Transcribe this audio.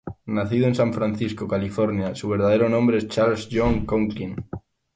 Nacido en San Francisco, California, su verdadero nombre era Charles John Conklin.